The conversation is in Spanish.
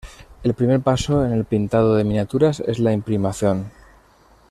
El primer paso en el pintado de miniaturas es la imprimación.